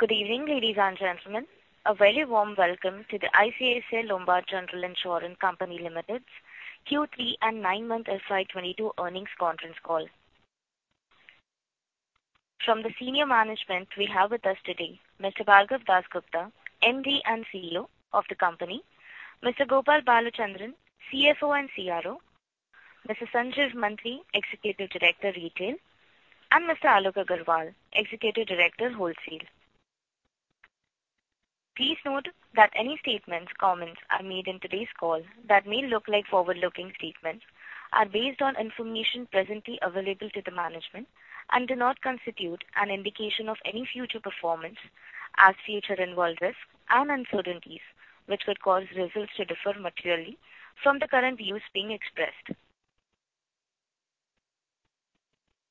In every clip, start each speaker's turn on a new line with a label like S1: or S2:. S1: Good evening, ladies and gentlemen. A very warm welcome to the ICICI Lombard General Insurance Company Limited's Q3 and nine-month FY 2022 earnings conference call. From the senior management we have with us today Mr. Bhargav Dasgupta, MD and CEO of the company, Mr. Gopal Balachandran, CFO and CRO, Mr. Sanjeev Mantri, Executive Director, Retail, and Mr. Alok Agarwal, Executive Director, Wholesale. Please note that any statements or comments made in today's call that may look like forward-looking statements are based on information presently available to the management and do not constitute an indication of any future performance as the future involves risks and uncertainties which would cause results to differ materially from the current views being expressed.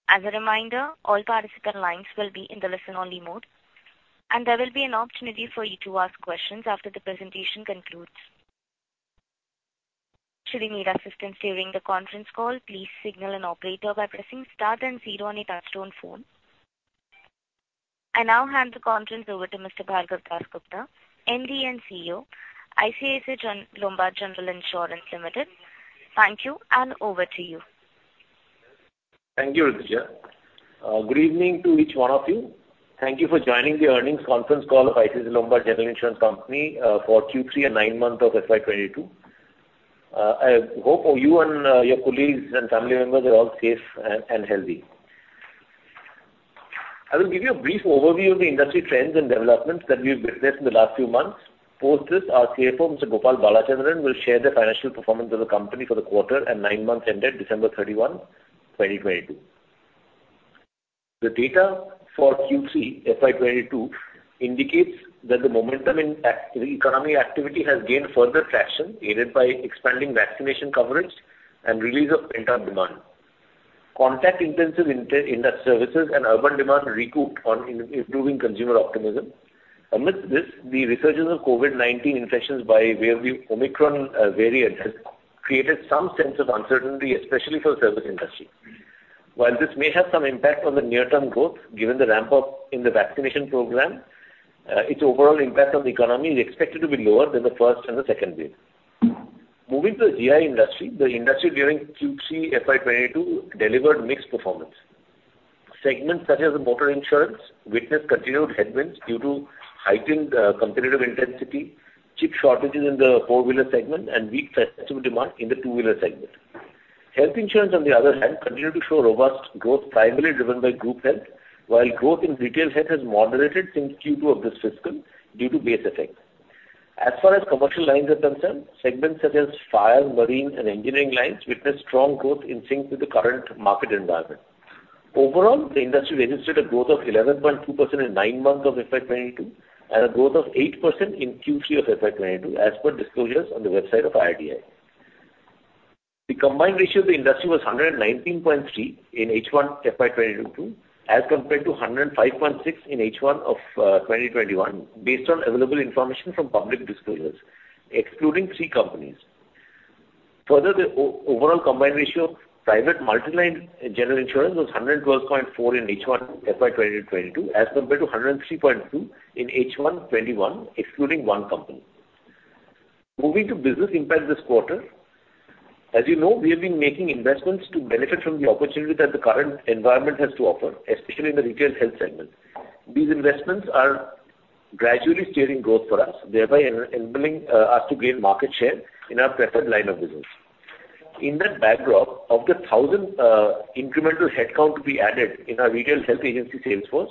S1: As a reminder, all participant lines will be in the listen-only mode, and there will be an opportunity for you to ask questions after the presentation concludes. Should you need assistance during the conference call, please signal an operator by pressing star and zero on your touchtone phone. I now hand the conference over to Mr. Bhargav Dasgupta, MD and CEO, ICICI Lombard General Insurance Company Limited. Thank you, and over to you.
S2: Thank you, Rutuja. Good evening to each one of you. Thank you for joining the earnings conference call of ICICI Lombard General Insurance Company for Q3 and nine months of FY 2022. I hope you and your colleagues and family members are all safe and healthy. I will give you a brief overview of the industry trends and developments that we've witnessed in the last few months. Post this, our CFO, Mr. Gopal Balachandran, will share the financial performance of the company for the quarter and nine months ended December 31, 2022. The data for Q3 FY 2022 indicates that the momentum in the economic activity has gained further traction, aided by expanding vaccination coverage and release of pent-up demand. Contact-intensive industries, services, and urban demand recouped on improving consumer optimism. Amidst this, the resurgence of COVID-19 infections by way of the Omicron variant has created some sense of uncertainty, especially for service industry. While this may have some impact on the near-term growth, given the ramp-up in the vaccination program, its overall impact on the economy is expected to be lower than the first and the second wave. Moving to the GI industry, the industry during Q3 FY 2022 delivered mixed performance. Segments such as motor insurance witnessed continued headwinds due to heightened competitive intensity, chip shortages in the four-wheeler segment and weak festival demand in the two-wheeler segment. Health insurance, on the other hand, continued to show robust growth, primarily driven by group health, while growth in retail health has moderated since Q2 of this fiscal due to base effect. As far as commercial lines are concerned, segments such as fire, marine and engineering lines witnessed strong growth in sync with the current market environment. Overall, the industry registered a growth of 11.2% in nine months of FY 2022 and a growth of 8% in Q3 of FY 2022 as per disclosures on the website of IRDAI. The combined ratio of the industry was 119.3 in H1 FY 2022, as compared to 105.6 in H1 of 2021, based on available information from public disclosures, excluding three companies. Further, the overall combined ratio of private multi-line general insurance was 112.4 in H1 FY 2022 as compared to 103.2 in H1 2021, excluding one company. Moving to business impact this quarter. As you know, we have been making investments to benefit from the opportunity that the current environment has to offer, especially in the retail health segment. These investments are gradually steering growth for us, thereby enabling us to gain market share in our preferred line of business. In that backdrop, of the 1,000 incremental headcount we added in our retail health agency sales force,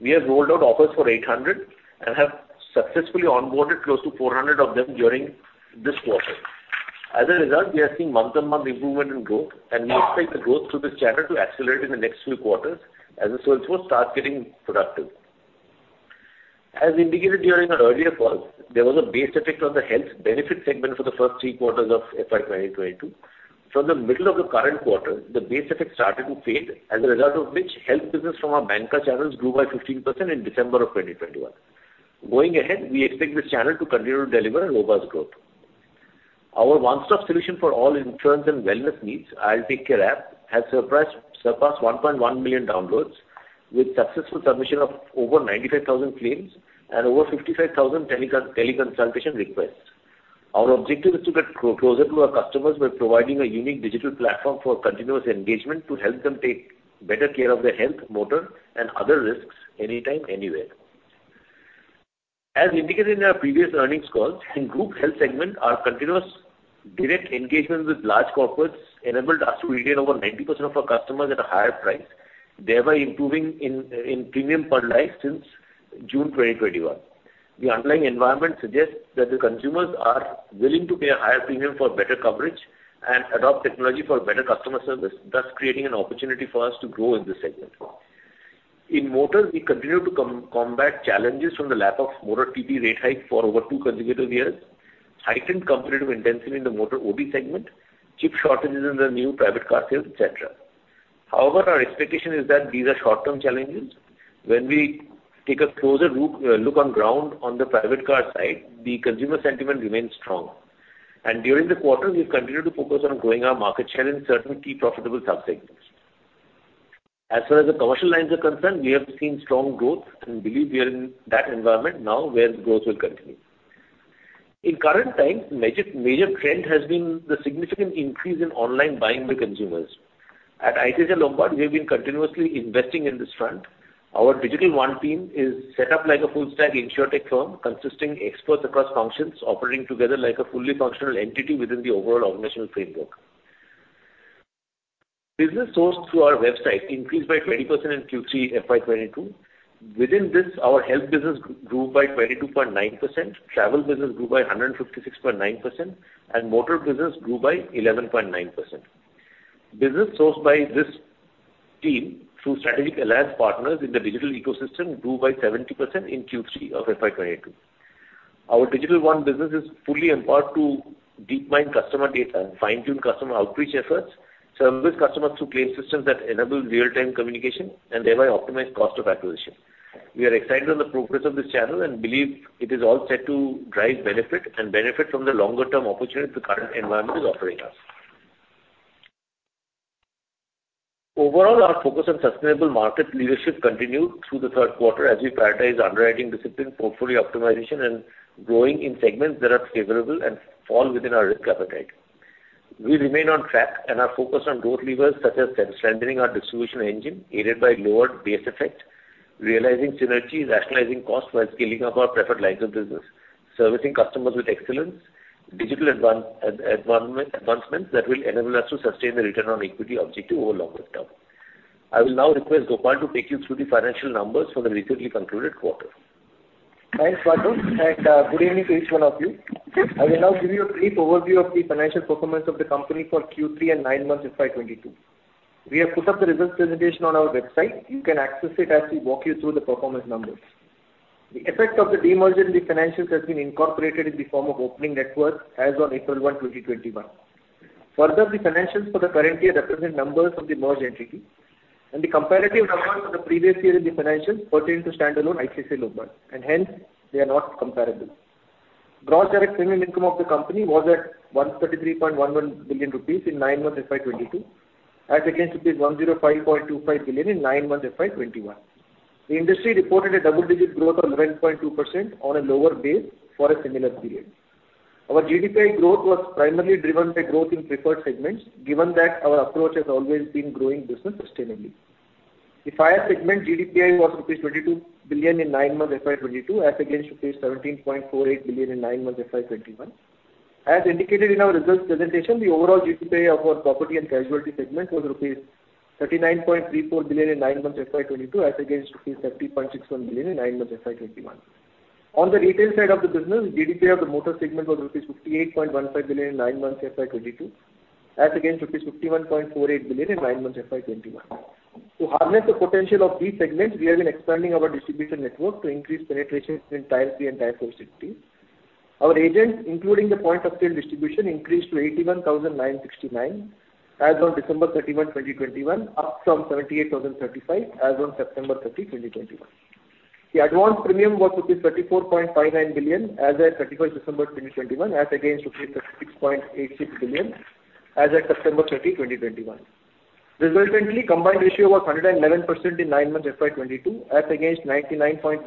S2: we have rolled out offers for 800 and have successfully onboarded close to 400 of them during this quarter. As a result, we are seeing month-on-month improvement in growth and we expect the growth through this channel to accelerate in the next few quarters as the sales force starts getting productive. As indicated during our earlier calls, there was a base effect on the health benefit segment for the first three quarters of FY 2022. From the middle of the current quarter, the base effect started to fade, as a result of which health business from our banca channels grew by 15% in December of 2021. Going ahead, we expect this channel to continue to deliver a robust growth. Our one-stop solution for all insurance and wellness needs, IL TakeCare app, has surpassed 1.1 million downloads with successful submission of over 95,000 claims and over 55,000 teleconsultation requests. Our objective is to get closer to our customers by providing a unique digital platform for continuous engagement to help them take better care of their health, motor and other risks anytime, anywhere. As indicated in our previous earnings calls, in group health segment, our continuous direct engagement with large corporates enabled us to retain over 90% of our customers at a higher price, thereby improving premium per life since June 2021. The underlying environment suggests that the consumers are willing to pay a higher premium for better coverage and adopt technology for better customer service, thus creating an opportunity for us to grow in this segment. In motor, we continue to combat challenges from the lack of motor TP rate hike for over two consecutive years, heightened competitive intensity in the motor OD segment, chip shortages in the new private car sales, et cetera. However, our expectation is that these are short-term challenges. When we take a closer look on the ground on the private car side, the consumer sentiment remains strong. During the quarter, we've continued to focus on growing our market share in certain key profitable subsegments. As far as the commercial lines are concerned, we have seen strong growth and believe we are in that environment now where growth will continue. In current times, major trend has been the significant increase in online buying by consumers. At ICICI Lombard, we have been continuously investing in this front. Our Digital One team is set up like a full stack InsurTech firm consisting of experts across functions operating together like a fully functional entity within the overall organizational framework. Business sourced through our website increased by 20% in Q3 FY 2022. Within this, our health business grew by 22.9%, travel business grew by 156.9%, and motor business grew by 11.9%. Business sourced by this team through strategic alliance partners in the digital ecosystem grew by 70% in Q3 of FY 2022. Our Digital One business is fully empowered to deep mine customer data and fine-tune customer outreach efforts, service customers through claim systems that enable real-time communication and thereby optimize cost of acquisition. We are excited on the progress of this channel and believe it is all set to drive benefit from the longer-term opportunity the current environment is offering us. Overall, our focus on sustainable market leadership continued through the third quarter as we prioritize underwriting discipline, portfolio optimization, and growing in segments that are favorable and fall within our risk appetite. We remain on track and are focused on growth levers such as strengthening our distribution engine, aided by lower base effect, realizing synergies, rationalizing costs while scaling up our preferred lines of business, servicing customers with excellence, digital advancements that will enable us to sustain the return on equity objective over longer-term. I will now request Gopal to take you through the financial numbers for the recently concluded quarter.
S3: Thanks, Bhargav, and good evening to each one of you. I will now give you a brief overview of the financial performance of the company for Q3 and nine months FY 2022. We have put up the results presentation on our website. You can access it as we walk you through the performance numbers. The effect of the demerger in the financials has been incorporated in the form of opening net worth as on April 1, 2021. Further, the financials for the current year represent numbers of the merged entity, and the comparative numbers for the previous year in the financials pertain to standalone ICICI Lombard, and hence they are not comparable. Gross direct premium income of the company was at 133.11 billion rupees in nine months FY 2022 as against rupees 105.25 billion in nine months FY 2021. The industry reported a double-digit growth of 11.2% on a lower base for a similar period. Our GDPI growth was primarily driven by growth in preferred segments, given that our approach has always been growing business sustainably. The fire segment GDPI was rupees 22 billion in nine months FY 2022 as against rupees 17.48 billion in nine months FY 2021. As indicated in our results presentation, the overall GDPI of our property and casualty segment was rupees 39.34 billion in nine months FY 2022 as against rupees 30.61 billion in nine months FY 2021. On the retail side of the business, GDPI of the motor segment was rupees 58.15 billion in nine months FY 2022 as against rupees 51.48 billion in nine months FY 2021. To harness the potential of these segments, we have been expanding our distribution network to increase penetration in Tier 3 and Tier 4 cities. Our agents, including the point of sale distribution, increased to 81,969 as on December 31, 2021, up from 78,035 as on September 30, 2021. The advance premium was rupees 34.59 billion as at December 31st, 2021, as against rupees 36.86 billion as at September 30, 2021. Resultantly, combined ratio was 111% in nine months FY 2022 as against 99.1%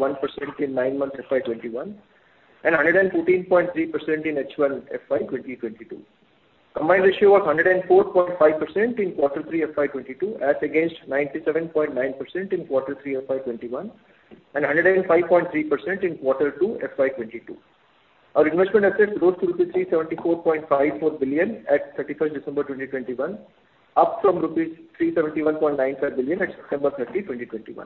S3: in nine months FY 2021 and 114.3% in H1 FY 2022. Combined ratio was 104.5% in quarter three FY 2022 as against 97.9% in quarter three FY 2021 and 105.3% in quarter two FY 2022. Our investment assets rose to rupees 374.54 billion at December 31st, 2021, up from rupees 371.95 billion at September 30, 2021.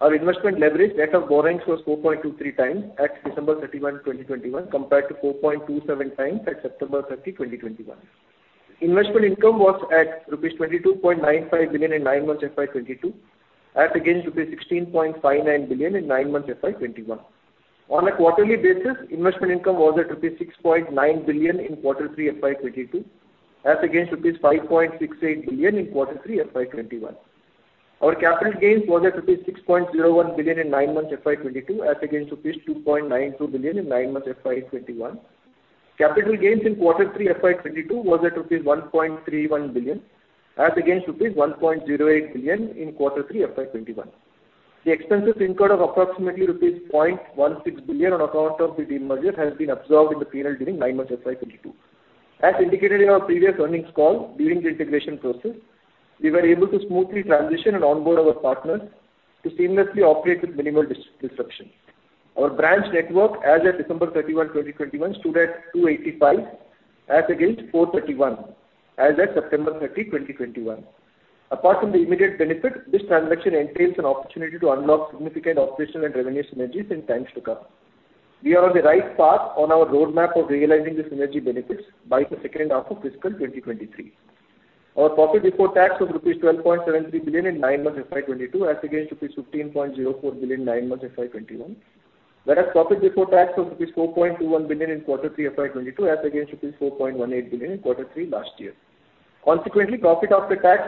S3: Our investment leverage net of borrowings was 4.23x at December 31, 2021, compared to 4.27x at September 30, 2021. Investment income was at rupees 22.95 billion in nine months FY 2022 as against INR 16.59 billion in nine months FY 2021. On a quarterly basis, investment income was at rupees 6.9 billion in quarter three FY 2022 as against rupees 5.68 billion in quarter three FY 2021. Our capital gains was at rupees 6.01 billion in nine months FY 2022 as against rupees 2.92 billion in nine months FY 2021. Capital gains in quarter three FY 2022 was at rupees 1.31 billion as against rupees 1.08 billion in quarter three FY 2021. The expenses incurred of approximately rupees 0.16 billion on account of the demerger has been absorbed in the P&L during nine months FY 2022. As indicated in our previous earnings call, during the integration process, we were able to smoothly transition and onboard our partners to seamlessly operate with minimal disruption. Our branch network as at December 31, 2021, stood at 285 as against 431 as at September 30, 2021. Apart from the immediate benefit, this transaction entails an opportunity to unlock significant operational and revenue synergies in times to come. We are on the right path on our roadmap of realizing the synergy benefits by the second half of FY 2023. Our profit before tax was rupees 12.73 billion in nine months FY 2022 as against rupees 15.04 billion nine months FY 2021, whereas profit before tax was rupees 4.21 billion in quarter three FY 2022 as against rupees 4.18 billion in quarter three last year. Consequently, profit after tax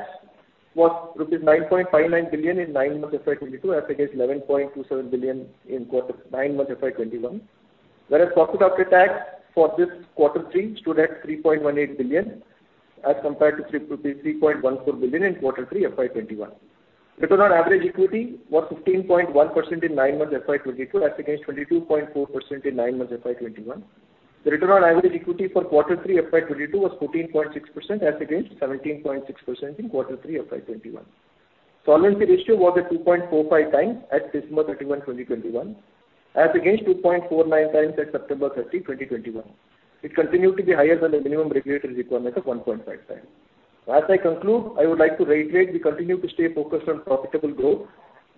S3: was rupees 9.59 billion in nine months FY 2022 as against 11.27 billion in nine months FY 2021. Profit after tax for this quarter three stood at 3.18 billion as compared to 3.314 billion in quarter three FY 2021. Return on average equity was 15.1% in nine months FY 2022 as against 22.4% in nine months FY 2021. The return on average equity for quarter three FY 2022 was 14.6% as against 17.6% in quarter three FY 2021. Solvency ratio was at 2.45x as of December 31, 2021 as against 2.49x as of September 30, 2021. It continued to be higher than the minimum regulatory requirement of 1.5x. As I conclude, I would like to reiterate we continue to stay focused on profitable growth,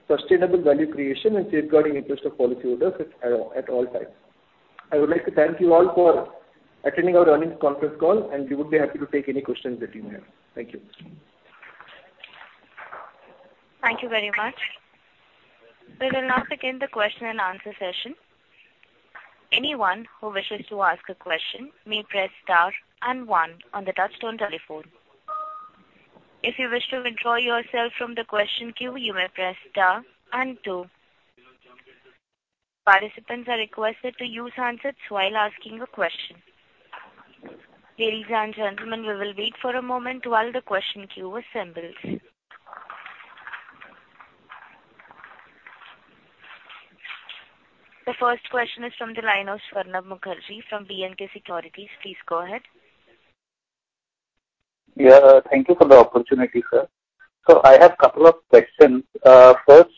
S3: sustainable value creation and safeguarding interest of policyholders at all times. I would like to thank you all for attending our earnings conference call, and we would be happy to take any questions that you may have. Thank you.
S1: Thank you very much. We will now begin the question and answer session. Anyone who wishes to ask a question may press star and one on the touchtone telephone. If you wish to withdraw yourself from the question queue, you may press star and two. Participants are requested to use handsets while asking a question. Ladies and gentlemen, we will wait for a moment while the question queue assembles. The first question is from the line of Swarnabha Mukherjee from B&K Securities. Please go ahead.
S4: Thank you for the opportunity, sir. I have couple of questions. First,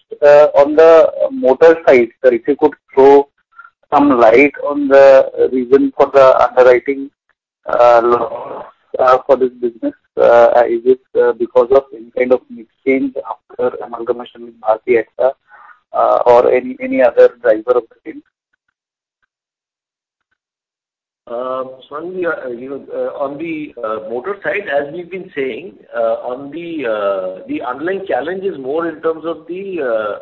S4: on the motor side, sir, if you could throw some light on the reason for the underwriting for this business, is it because of any kind of mix change after amalgamation with Bharti AXA, or any other driver of the same?
S2: Swarnabha, you know, on the motor side, as we've been saying, the underlying challenge is more in terms of the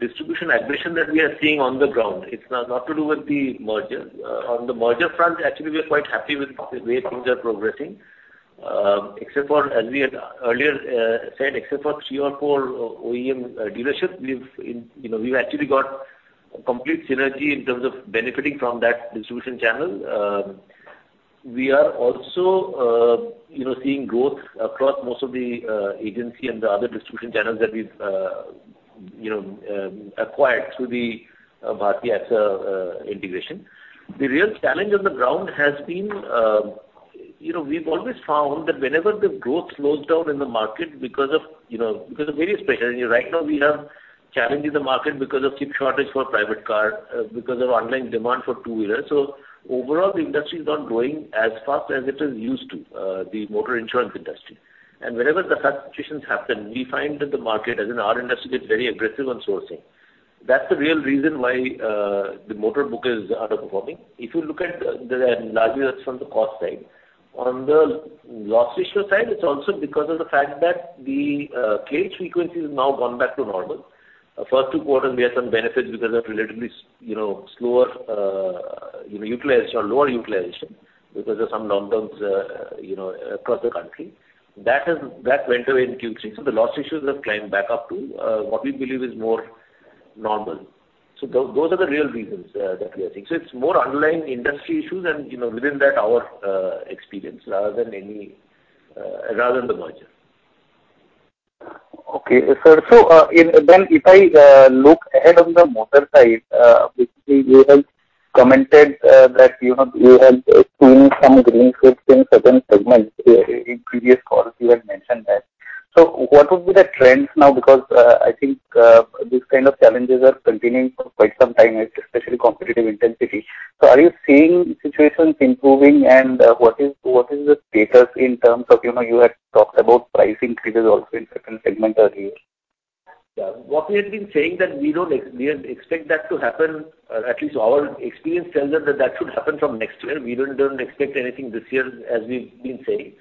S2: distribution aggression that we are seeing on the ground. It's not to do with the merger. On the merger front, actually we are quite happy with the way things are progressing. Except for, as we had earlier said, three or four OEM dealerships, we've actually got complete synergy in terms of benefiting from that distribution channel. We are also, you know, seeing growth across most of the agency and the other distribution channels that we've, you know, acquired through the Bharti AXA integration. The real challenge on the ground has been, you know, we've always found that whenever the growth slows down in the market because of, you know, because of various pressures. Right now we have a challenge in the market because of chip shortage for private car, because of online demand for two-wheelers. Overall the industry is not growing as fast as it is used to, the motor insurance industry. Whenever such situations happen, we find that the market, as in our industry, gets very aggressive on sourcing. That's the real reason why the motor book is underperforming. If you look at the largely that's from the cost side. On the loss ratio side, it's also because of the fact that the claims frequency has now gone back to normal. First two quarters, we had some benefits because of relatively, you know, slower utilization or lower utilization because of some lockdowns, you know, across the country. That went away in Q3. The loss ratios have climbed back up to what we believe is more normal. Those are the real reasons that we are seeing. It's more underlying industry issues and, you know, within that our experience rather than any rather than the merger.
S4: Sir, if I look ahead on the motor side, basically you have commented that, you know, you have seen some green shoots in certain segments. In previous calls you had mentioned that. What would be the trends now because I think these kind of challenges are continuing for quite some time, especially competitive intensity. Are you seeing situations improving and what is the status in terms of, you know, you had talked about price increases also in certain segments earlier?
S2: Yeah. What we have been saying that we don't expect that to happen, or at least our experience tells us that should happen from next year. We don't expect anything this year, as we've been saying.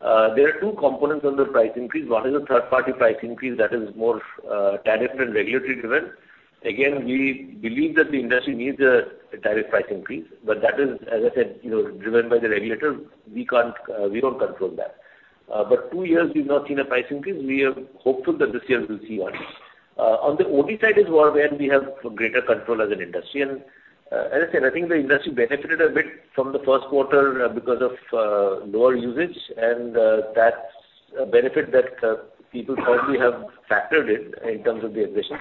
S2: There are two components on the price increase. One is the third-party price increase that is more tariff and regulatory driven. Again, we believe that the industry needs a tariff price increase, but that is, as I said, you know, driven by the regulators. We can't, we don't control that. Two years we've not seen a price increase. We are hopeful that this year we'll see one. On the OD side is more where we have greater control as an industry. I said, I think the industry benefited a bit from the first quarter because of lower usage and that's a benefit that people probably have factored in in terms of the aggression.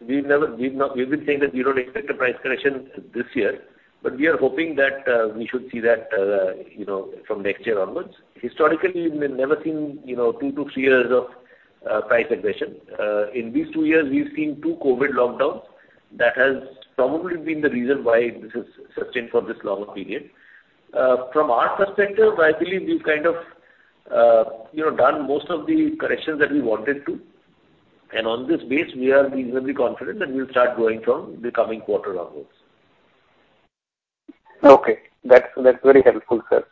S2: We've been saying that we don't expect a price correction this year, but we are hoping that we should see that you know from next year onwards. Historically, we've never seen you know two to three years of price aggression. In these two years, we've seen two COVID lockdowns. That has probably been the reason why this has sustained for this longer period. From our perspective, I believe we've kind of you know done most of the corrections that we wanted to. On this base we are reasonably confident that we'll start growing from the coming quarter onwards.
S4: Okay. That's very helpful, sir.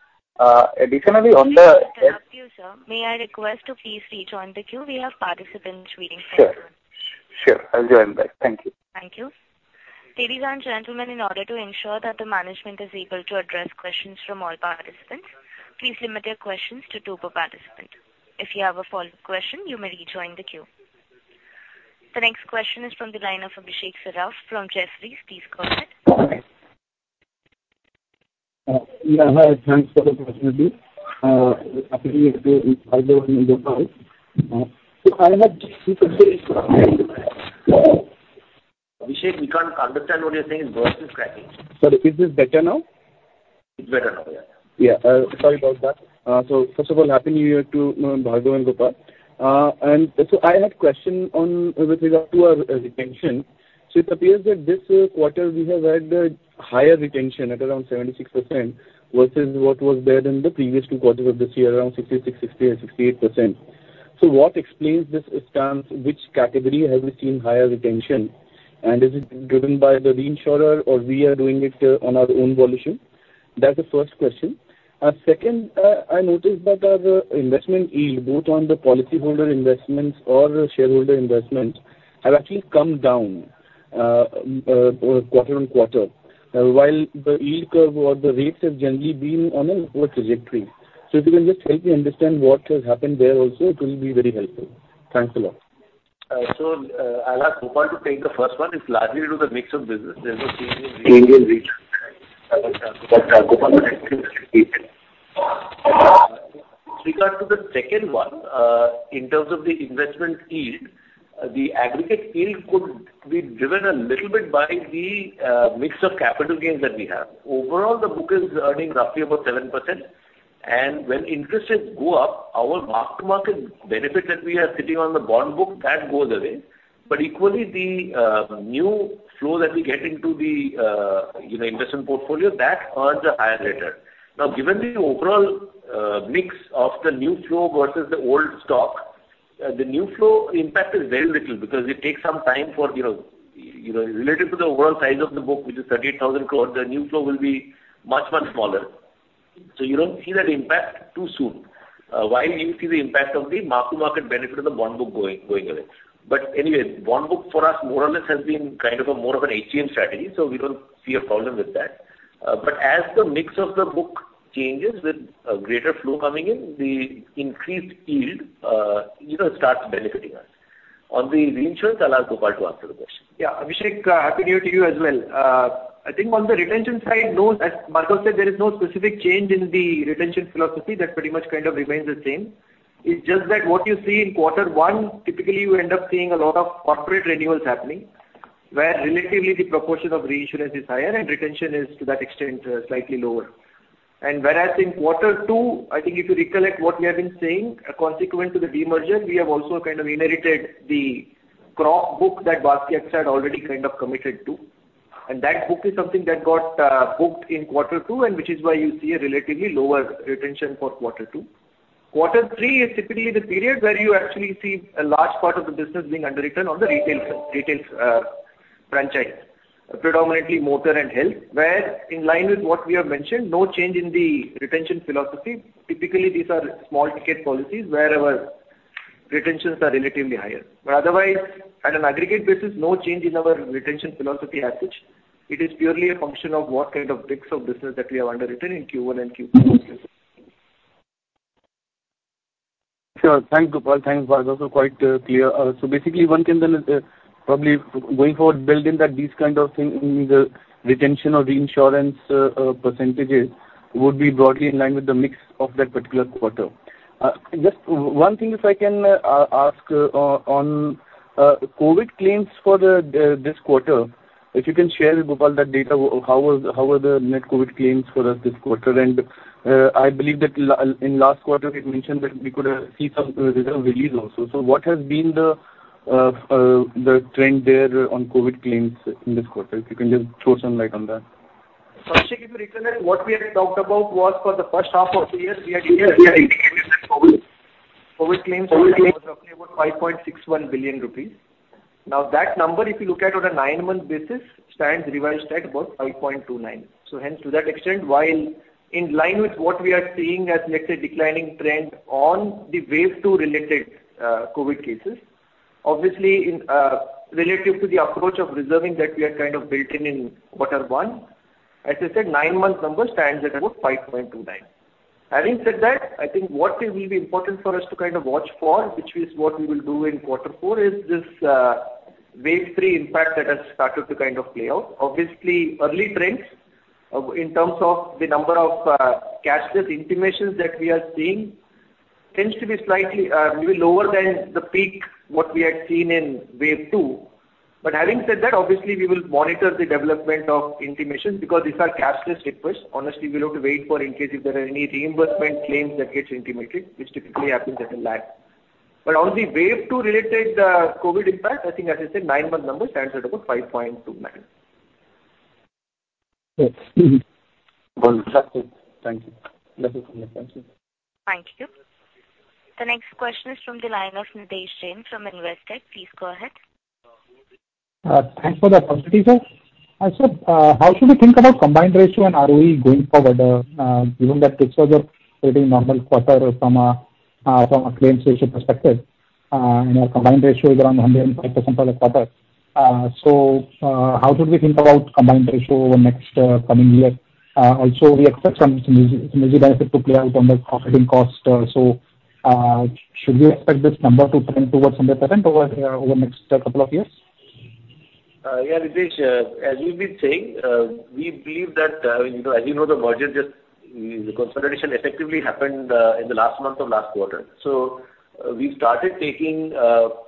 S4: Additionally on the-
S1: Sorry to interrupt you, sir. May I request to please rejoin the queue? We have participants waiting for you.
S4: Sure. I'll join back. Thank you.
S1: Thank you. Ladies and gentlemen, in order to ensure that the management is able to address questions from all participants, please limit your questions to two per participant. If you have a follow-up question, you may rejoin the queue. The next question is from the line of Abhishek Saraf from Jefferies. Please go ahead.
S5: Hi. Thanks for the opportunity. Happy New Year to Bhargav and Gopal. I had two questions. Abhishek, we can't understand what you're saying. Voice is cracking. Sorry, is this better now? It's better now. Yeah. Sorry about that. First of all, Happy New Year to Bhargav and Gopal. I had a question with regard to retention. It appears that this quarter we have had a higher retention at around 76% versus what was there in the previous two quarters of this year, around 66%, 60% and 68%. What explains this stance? Which category have we seen higher retention? And is it driven by the reinsurer or we are doing it on our own volition? That's the first question. Second, I noticed that our investment yield, both on the policyholder investments or shareholder investments, have actually come down, quarter-on-quarter, while the yield curve or the rates have generally been on an upward trajectory. If you can just help me understand what has happened there also, it will be very helpful. Thanks a lot.
S2: I'll ask Gopal to take the first one. It's largely due to the mix of business. There's no change in yield. Gopal will explain it. With regard to the second one, in terms of the investment yield, the aggregate yield could be driven a little bit by the mix of capital gains that we have. Overall, the book is earning roughly about 7%. When interest rates go up, our mark-to-market benefit that we are sitting on the bond book, that goes away. Equally, the new flow that we get into the investment portfolio, that earns a higher return. Now, given the overall mix of the new flow versus the old stock, the new flow impact is very little because it takes some time for related to the overall size of the book, which is 38,000 crores, the new flow will be much smaller. So you don't see that impact too soon. While you see the impact of the mark-to-market benefit of the bond book going away. Anyway, bond book for us more or less has been kind of a more of an HTM strategy, so we don't see a problem with that. As the mix of the book changes with a greater flow coming in, the increased yield, you know, starts benefiting us. On the reinsurance, I'll ask Gopal to answer the question.
S3: Yeah. Abhishek, Happy New Year to you as well. I think on the retention side, no, as Bhargav said, there is no specific change in the retention philosophy. That pretty much kind of remains the same. It's just that what you see in quarter one, typically you end up seeing a lot of corporate renewals happening, where relatively the proportion of reinsurance is higher and retention is, to that extent, slightly lower. Whereas in quarter two, I think if you recollect what we have been saying, a consequence to the demerger, we have also kind of inherited the crop book that Bharti AXA had already kind of committed to. That book is something that got booked in quarter two, and which is why you see a relatively lower retention for quarter two. Quarter three is typically the period where you actually see a large part of the business being underwritten on the retail franchise, predominantly motor and health, where in line with what we have mentioned, no change in the retention philosophy. Typically, these are small-ticket policies where our retentions are relatively higher. Otherwise, at an aggregate basis, no change in our retention philosophy as such. It is purely a function of what kind of mix of business that we have underwritten in Q1 and Q2.
S5: Sure. Thanks, Gopal. Thanks, Bhargav. Quite clear. Basically one can then probably going forward build in that these kind of thing in the retention or reinsurance percentages would be broadly in line with the mix of that particular quarter. Just one thing if I can ask on COVID claims for this quarter. If you can share, Gopal, that data, how were the net COVID claims for us this quarter? And I believe that last quarter we mentioned that we could see some reserve release also. So what has been the trend there on COVID claims in this quarter? If you can just throw some light on that.
S3: Abhishek, if you recollect, what we had talked about was for the first half of the year, we had
S2: Yeah.
S3: COVID claims were roughly about 5.61 billion rupees. Now that number, if you look at on a nine-month basis, stands revised at about 5.29 billion. Hence to that extent, while in line with what we are seeing as let's say declining trend on the wave two related COVID cases, obviously in relative to the approach of reserving that we had kind of built in in quarter one, as I said, nine-month number stands at about 5.29 billion. Having said that, I think what will be important for us to kind of watch for, which is what we will do in quarter four, is this wave three impact that has started to kind of play out. Obviously, early trends in terms of the number of cashless intimations that we are seeing tends to be slightly, maybe lower than the peak what we had seen in wave two. Having said that, obviously we will monitor the development of intimations because these are cashless requests. Honestly, we'll have to wait for in case if there are any reimbursement claims that gets intimated, which typically happens at a lag. On the wave two related COVID impact, I think as I said, nine-month number stands at about 5.29.
S5: Yes. Got it. That's it. Thank you.
S1: Thank you. The next question is from the line of Nidhesh Jain from Investec. Please go ahead.
S6: Thanks for the opportunity, sir. How should we think about combined ratio and ROE going forward, given that it was a pretty normal quarter from a claims ratio perspective, and our combined ratio is around 105% for the quarter. How should we think about combined ratio over next coming year? Also we expect some synergy benefit to play out on the operating costs. Should we expect this number to trend towards 100% over the next couple of years?
S2: Yeah, Nidhesh, as we've been saying, we believe that, you know, as you know, the consolidation effectively happened in the last month of last quarter. We've started taking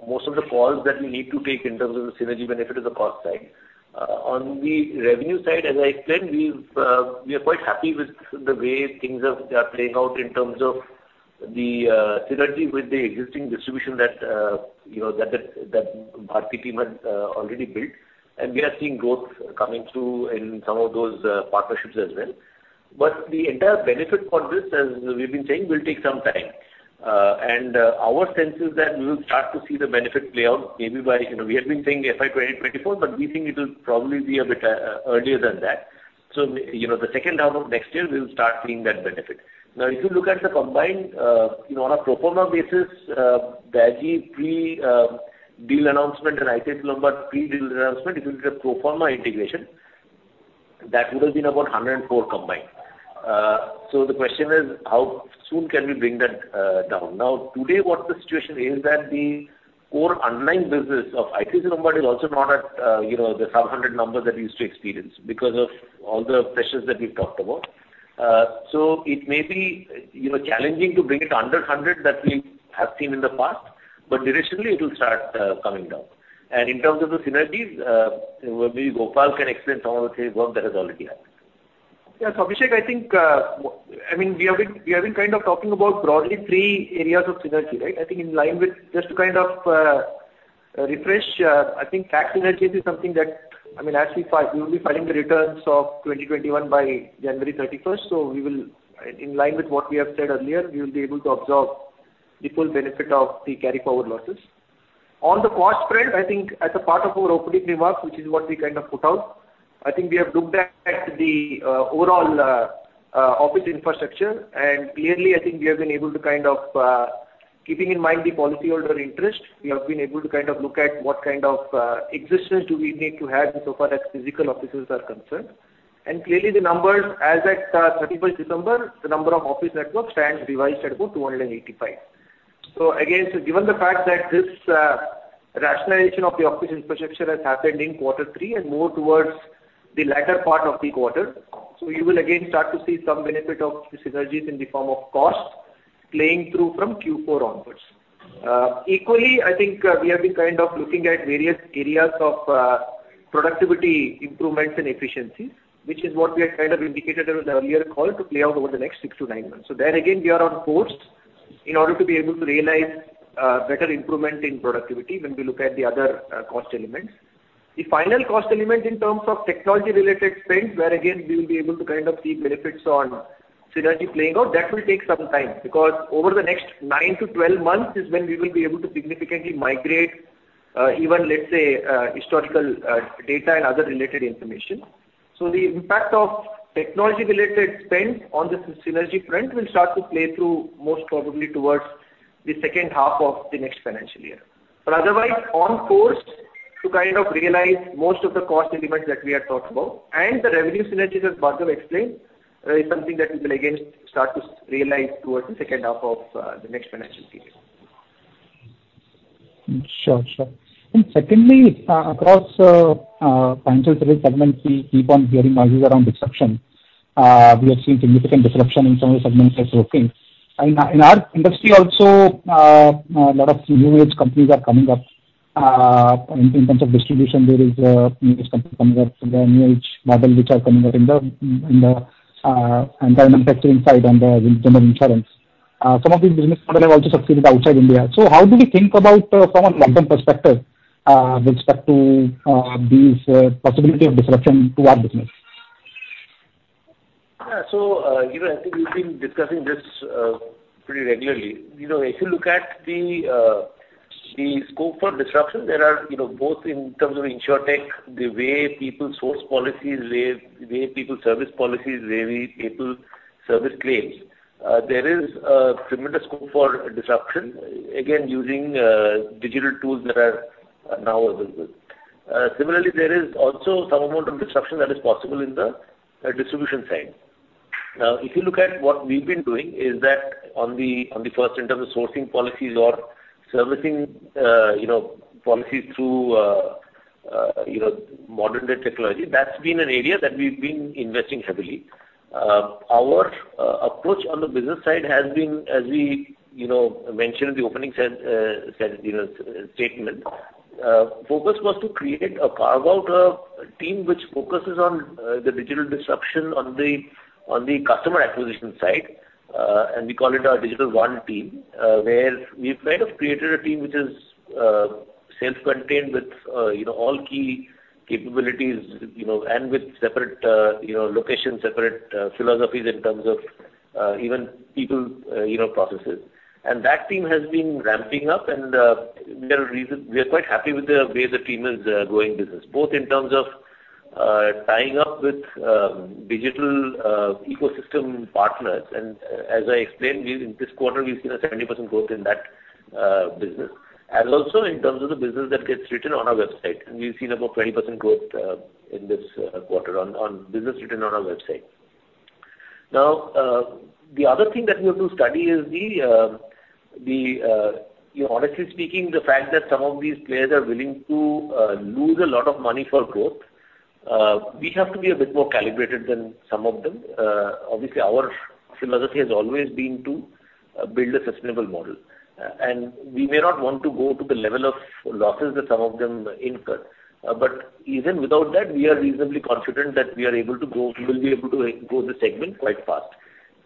S2: most of the calls that we need to take in terms of the synergy benefit at the cost side. On the revenue side, as I explained, we are quite happy with the way things are, they are playing out in terms of the synergy with the existing distribution that, you know, the Bharti team had already built and we are seeing growth coming through in some of those partnerships as well. The entire benefit for this, as we've been saying, will take some time. Our sense is that we will start to see the benefit play out maybe by, you know, we have been saying FY 2024, but we think it'll probably be a bit, earlier than that. You know, the second half of next year we'll start seeing that benefit. Now, if you look at the combined, you know, on a pro forma basis, Bharti pre-deal announcement and ICICI Lombard pre-deal announcement, if you look at pro forma integration, that would have been about 104 combined. The question is how soon can we bring that down? Now, today what the situation is that the core online business of ICICI Lombard is also not at, you know, the 700 number that we used to experience because of all the pressures that we've talked about. It may be, you know, challenging to bring it under 100 that we have seen in the past, but directionally it will start coming down. In terms of the synergies, maybe Gopal can explain some of the work that has already happened.
S3: Yeah, Nidhesh, I think, I mean, we have been kind of talking about broadly three areas of synergy, right? I think in line with just to kind of refresh, I think tax synergies is something that, I mean, as we file, we will be filing the returns of 2021 by January 31st. We will, in line with what we have said earlier, we will be able to absorb the full benefit of the carry forward losses. On the cost front, I think as a part of our opening remarks, which is what we kind of put out, I think we have looked at the overall office infrastructure. Clearly, I think we have been able to kind of keeping in mind the policyholder interest, we have been able to kind of look at what kind of existence do we need to have so far as physical offices are concerned. Clearly the numbers as at 31st December, the number of office networks stands revised at about 285. Again, given the fact that this rationalization of the office infrastructure has happened in quarter three and more towards the latter part of the quarter, you will again start to see some benefit of the synergies in the form of cost playing through from Q4 onwards. Equally, I think, we have been kind of looking at various areas of productivity improvements and efficiencies, which is what we have kind of indicated in the earlier call to play out over the next six to nine months. There again, we are on course in order to be able to realize better improvement in productivity when we look at the other cost elements. The final cost element in terms of technology related spends, where again, we will be able to kind of see benefits on synergy playing out. That will take some time because over the next nine-12 months is when we will be able to significantly migrate even let's say historical data and other related information. The impact of technology related spend on the synergy front will start to play through most probably towards the second half of the next financial year. Otherwise on course to kind of realize most of the cost elements that we have talked about and the revenue synergies, as Bhargav explained, is something that we will again start to realize towards the second half of the next financial year.
S6: Sure, sure. Secondly, across financial service segments, we keep on hearing noises around disruption. We are seeing significant disruption in some of the segments that's working. In our industry also, a lot of new age companies are coming up. In terms of distribution there is new age company coming up and the new age model which are coming up in entire manufacturing side and the general insurance. Some of these business model have also succeeded outside India. How do we think about from a long-term perspective with respect to these possibility of disruption to our business?
S2: Yeah. You know, I think we've been discussing this pretty regularly. You know, if you look at the scope for disruption, there are both in terms of InsurTech, the way people source policies, way people service policies, way people service claims. There is tremendous scope for disruption, again, using digital tools that are now available. Similarly, there is also some amount of disruption that is possible in the distribution side. If you look at what we've been doing is that on the first in terms of sourcing policies or servicing policies through modern day technology, that's been an area that we've been investing heavily. Our approach on the business side has been as we, you know, mentioned in the opening statement, focus was to create a carve out team which focuses on the digital disruption on the customer acquisition side. We call it our Digital One team, where we've kind of created a team which is self-contained with, you know, all key capabilities, you know, and with separate, you know, locations, separate philosophies in terms of even people, you know, processes. That team has been ramping up and we are quite happy with the way the team is growing business, both in terms of tying up with digital ecosystem partners. As I explained, this quarter we've seen a 70% growth in that business. Also in terms of the business that gets written on our website, we've seen about 20% growth in this quarter on business written on our website. Now, the other thing that we have to study is you know, honestly speaking, the fact that some of these players are willing to lose a lot of money for growth, we have to be a bit more calibrated than some of them. Obviously our philosophy has always been to build a sustainable model. We may not want to go to the level of losses that some of them incur. Even without that, we are reasonably confident that we will be able to grow the segment quite fast.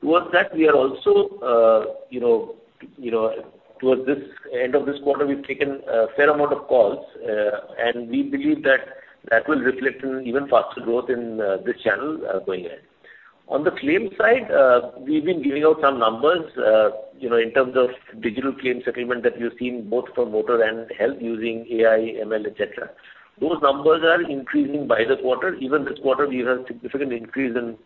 S2: Toward that, we are also, you know, toward this end of this quarter, we've taken a fair amount of calls, and we believe that will reflect in even faster growth in this channel going ahead. On the claim side, we've been giving out some numbers, you know, in terms of digital claim settlement that we've seen both for motor and health using AI, ML, et cetera. Those numbers are increasing by the quarter. Even this quarter, we have a significant increase in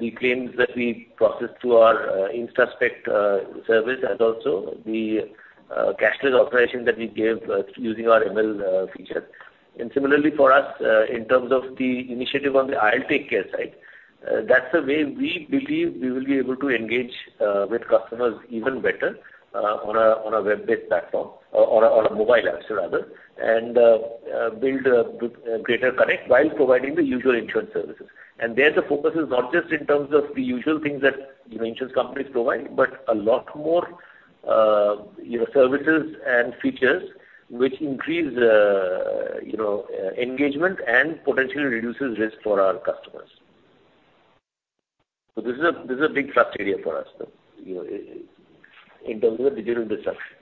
S2: the claims that we processed through our InstaSpect service and also the cashless operation that we gave using our ML feature. Similarly for us, in terms of the initiative on the IL TakeCare side, that's the way we believe we will be able to engage with customers even better, on a web-based platform or a mobile apps rather, and build a greater connect while providing the usual insurance services. There, the focus is not just in terms of the usual things that, you know, insurance companies provide, but a lot more, you know, services and features which increase, you know, engagement and potentially reduces risk for our customers. This is a big thrust area for us, you know, in terms of the digital disruption.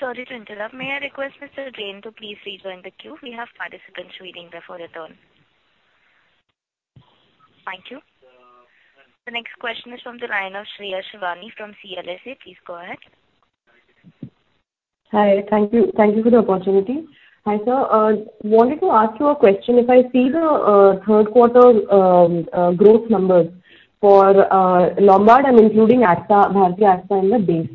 S1: Sorry to interrupt. May I request Mr. Jain to please rejoin the queue? We have participants waiting there to return. Thank you. The next question is from the line of Shreya Shivani from CLSA. Please go ahead.
S7: Hi. Thank you. Thank you for the opportunity. Hi, sir. Wanted to ask you a question. If I see the third quarter growth numbers for Lombard and including AXA, Bharti AXA in the base.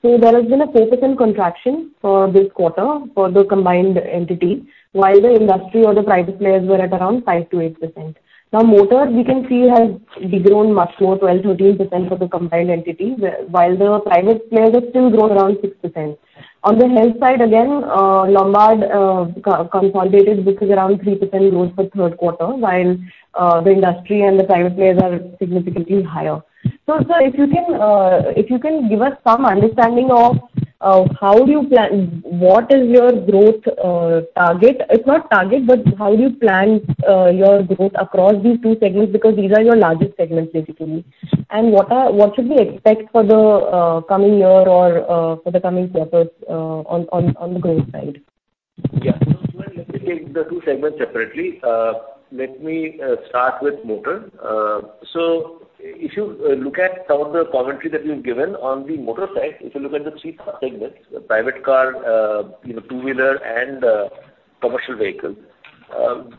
S7: There has been a 4% contraction for this quarter for the combined entity, while the industry or the private players were at around 5%-8%. Now, motor we can see has degrown much more, 12%-13% for the combined entity, while the private players have still grown around 6%. On the health side, again, Lombard consolidated books is around 3% growth for third quarter, while the industry and the private players are significantly higher. Sir, if you can give us some understanding of how do you plan, what is your growth target? If not target, but how do you plan your growth across these two segments because these are your largest segments basically? What should we expect for the coming year or for the coming quarters on the growth side?
S2: Yeah. Shreya, let me take the two segments separately. Let me start with motor. So if you look at some of the commentary that we've given on the motor side, if you look at the three subsegments, the private car, you know, two-wheeler and commercial vehicles,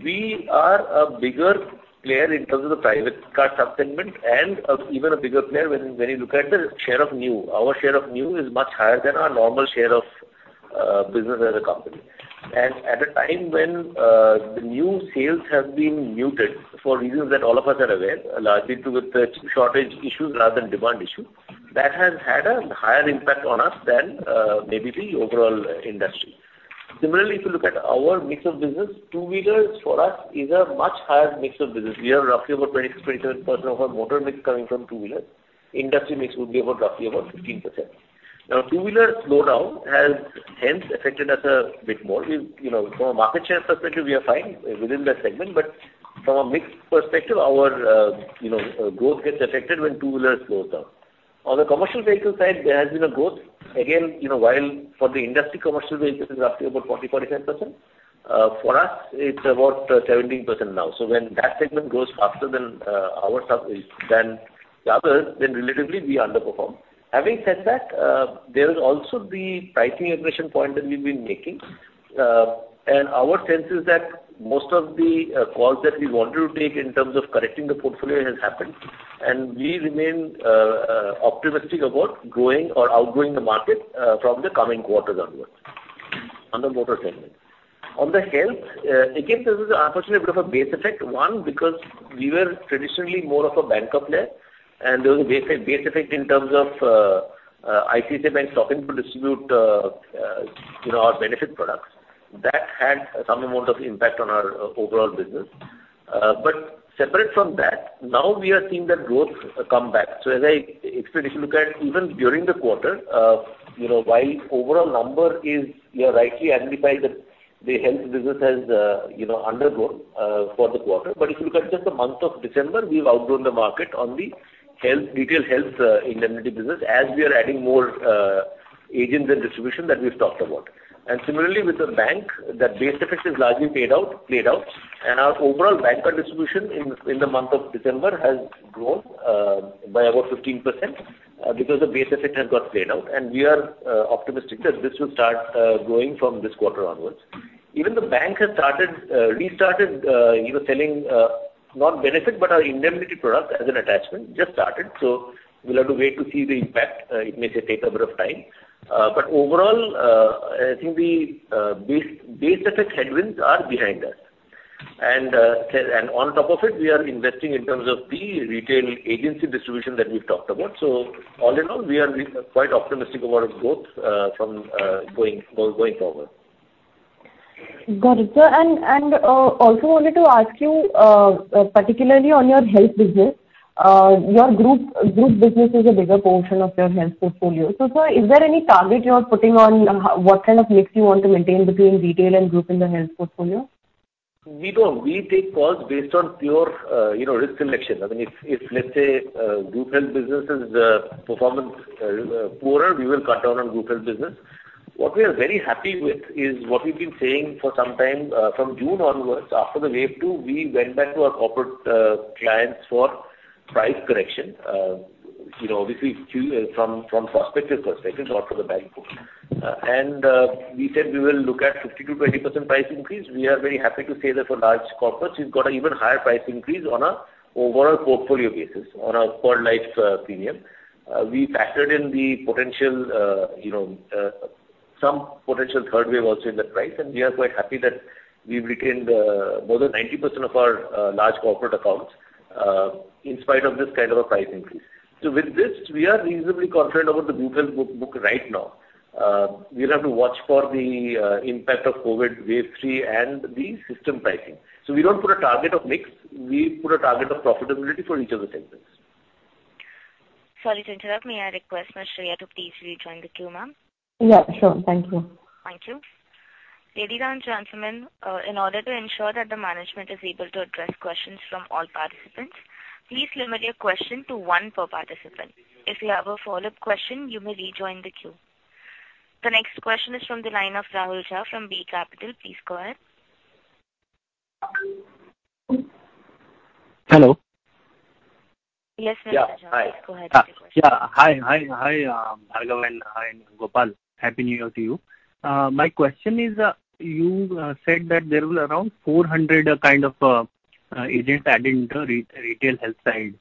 S2: we are a bigger player in terms of the private car subsegment and even a bigger player when you look at the share of new. Our share of new is much higher than our normal share of business as a company. At a time when the new sales have been muted for reasons that all of us are aware, largely to do with the chip-shortage issues rather than demand issues, that has had a higher impact on us than maybe the overall industry. Similarly, if you look at our mix of business, two-wheelers for us is a much higher mix of business. We have roughly about 26%-27% of our motor mix coming from two-wheeler. Industry mix would be about roughly about 15%. Now, two-wheeler slowdown has hence affected us a bit more. We've, you know, from a market share perspective, we are fine within that segment, but from a mix perspective, our, you know, growth gets affected when two-wheeler slows down. On the commercial vehicle side, there has been a growth. Again, you know, while for the industry commercial vehicles is roughly about 40%-45%, for us it's about 17% now. So when that segment grows faster than the others, then relatively we underperform. Having said that, there's also the pricing aggression point that we've been making. Our sense is that most of the calls that we wanted to take in terms of correcting the portfolio has happened, and we remain optimistic about growing or outgrowing the market from the coming quarters onwards on the motor segment. On the health, again, this is unfortunately a bit of a base effect because we were traditionally more of a banker player, and there was a base effect in terms of ICICI Bank stopping to distribute, you know, our benefit products. That had some amount of impact on our overall business. Separate from that, now we are seeing that growth come back. As I explained, if you look at even during the quarter, you know, while overall number is, you have rightly amplified that the health business has, you know, undergrown for the quarter. If you look at just the month of December, we've outgrown the market on the health, retail health indemnity business as we are adding more agents and distribution that we've talked about. Similarly with the bank, the base effect is largely paid out, played out, and our overall bancassurance distribution in the month of December has grown by about 15% because the base effect has got played out. We are optimistic that this will start growing from this quarter onwards. Even the bank has restarted you know selling not benefit but our indemnity product as an attachment, just started. We'll have to wait to see the impact. It may take a bit of time. Overall, I think the base effect headwinds are behind us. On top of it, we are investing in terms of the retail agency distribution that we've talked about. All in all, we are quite optimistic about our growth from going forward.
S7: Got it. Sir, also wanted to ask you, particularly on your health business, your group business is a bigger portion of your health portfolio. Sir, is there any target you are putting on what kind of mix you want to maintain between retail and group in the health portfolio?
S2: We don't. We take calls based on pure, you know, risk selection. I mean, if let's say, group health business's performance is poorer, we will cut down on group health business. What we are very happy with is what we've been saying for some time, from June onwards, after the wave two, we went back to our corporate clients for price correction. You know, obviously from prospective perspective, not for the bank book. We said we will look at 50%-20% price increase. We are very happy to say that for large corporates, we've got a even higher price increase on a overall portfolio basis on a per life premium. We factored in the potential, you know, some potential third wave also in that price, and we are quite happy that we've retained more than 90% of our large corporate accounts in spite of this kind of a price increase. With this, we are reasonably confident about the group health book right now. We'll have to watch for the impact of COVID wave three and the system pricing. We don't put a target of mix. We put a target of profitability for each of the segments.
S1: Sorry to interrupt. May I request Ms. Shreya to please rejoin the queue, ma'am?
S7: Yeah, sure. Thank you.
S1: Thank you. Ladies and gentlemen, in order to ensure that the management is able to address questions from all participants, please limit your question to one per participant. If you have a follow-up question, you may rejoin the queue. The next question is from the line of Rahul Jha from Bay Capital. Please go ahead.
S8: Hello.
S1: Yes, Mr. Jha.
S8: Yeah, hi.
S1: Please go ahead with your question.
S8: Hi, Bhargav and Gopal. Happy New Year to you. My question is, you said that there were around 400 kind of agents adding the retail health side.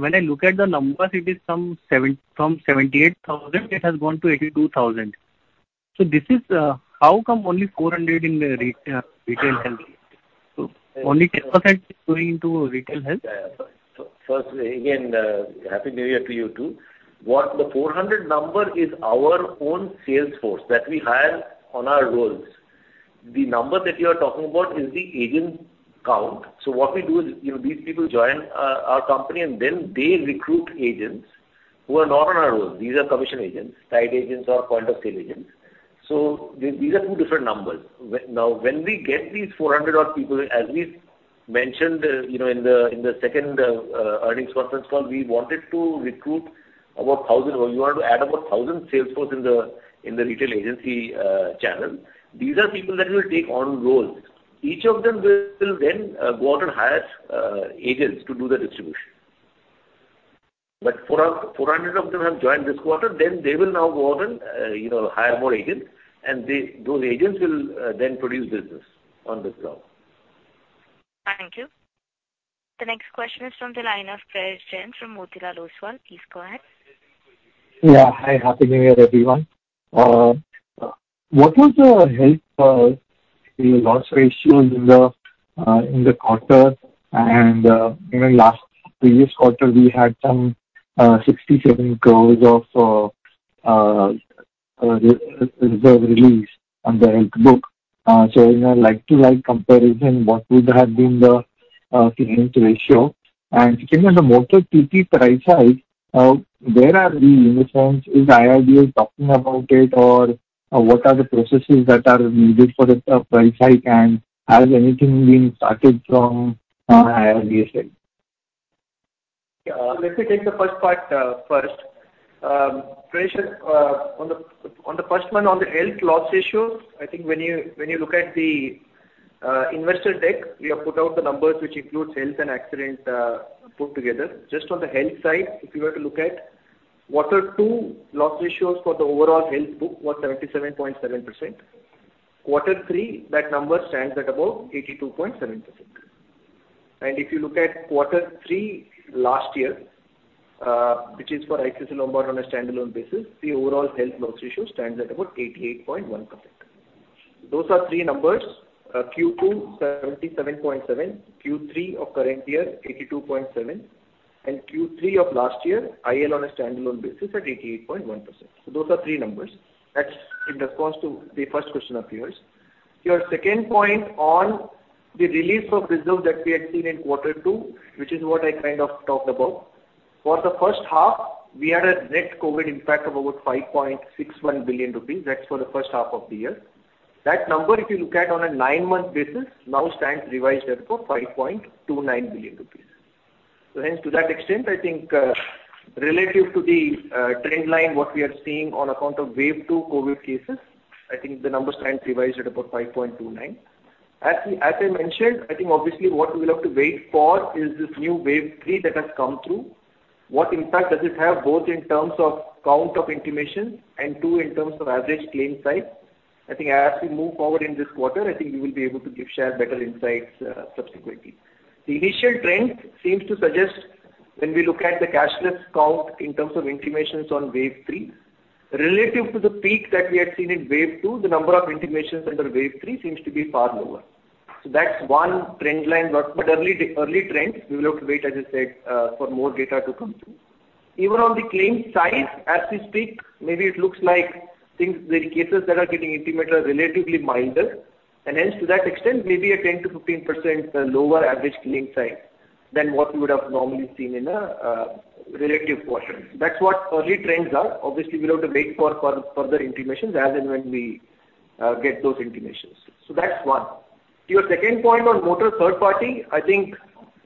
S8: When I look at the numbers, it is from 78,000, it has gone to 82,000. This is how come only 400 in the retail health? Only 10% is going into retail health?
S2: Yeah. First, again, Happy New Year to you, too. The 400 number is our own sales force that we hire on our rolls. The number that you are talking about is the agent count. What we do is, these people join our company and then they recruit agents who are not on our roll. These are commission agents, tied agents or point of sale agents. These are two different numbers. When we get these 400-odd people, as we mentioned, in the second earnings conference call, we wanted to recruit about 1,000, or we want to add about 1,000 sales force in the retail agency channel. These are people that will take on rolls. Each of them will then go out and hire agents to do the distribution. 400 of them have joined this quarter, then they will now go out and you know, hire more agents and they, those agents will then produce business on this ground.
S1: Thank you. The next question is from the line of Prayesh Jain from Motilal Oswal. Please go ahead.
S9: Yeah. Hi, Happy New Year, everyone. What was your health loss ratio in the quarter? You know, last previous quarter, we had some 67 crore of reserve release on the health book. In a like-to-like comparison, what would have been the claims ratio? Second on the motor TP price hike, where are the timelines? Is IRDAI talking about it, or what are the processes that are needed for the price hike, and has anything been started from IRDAI side?
S2: Yeah. Let me take the first part first. Prayesh, on the first one, on the health loss ratio, I think when you look at the investor deck, we have put out the numbers, which includes health and accident put together. Just on the health side, if you were to look at quarter two loss ratios for the overall health book was 77.7%. Quarter three, that number stands at about 82.7%. If you look at quarter three last year, which is for ICICI Lombard on a standalone basis, the overall health loss ratio stands at about 88.1%. Those are three numbers. Q2, 77.7, Q3 of current year, 82.7, and Q3 of last year, IL on a standalone basis at 88.1%. Those are three numbers. That's in response to the first question of yours. Your second point on the release of reserve that we had seen in quarter two, which is what I kind of talked about. For the first half, we had a net COVID impact of about 5.61 billion rupees. That's for the first half of the year. That number, if you look at on a nine-month basis, now stands revised at about 5.29 billion rupees.
S3: Hence, to that extent, I think relative to the trend line, what we are seeing on account of wave two COVID-19 cases, I think the numbers stand revised at about 5.29. As I mentioned, I think obviously what we'll have to wait for is this new wave three that has come through. What impact does this have both in terms of count of intimations and too, in terms of average claim size? I think as we move forward in this quarter, I think we will be able to give a better insights subsequently. The initial trend seems to suggest when we look at the cashless count in terms of intimations on wave three, relative to the peak that we had seen in wave two, the number of intimations under wave three seems to be far lower. That's one trend line, but early trends, we will have to wait, as I said, for more data to come through. Even on the claim size, as we speak, maybe it looks like things, the cases that are getting intimated are relatively milder and hence, to that extent, maybe a 10%-15% lower average claim size than what we would have normally seen in a relative quarter. That's what early trends are. Obviously, we'll have to wait for further intimations as and when we get those intimations. That's one. To your second point on motor third party, I think